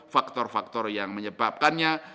faktor faktor yang menyebabkannya